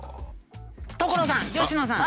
所さん佳乃さん！